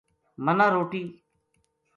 منا روٹی